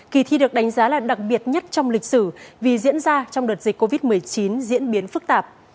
kỳ thi được đánh giá là đặc biệt nhất trong lịch sử vì diễn ra trong đợt dịch covid một mươi chín diễn biến phức tạp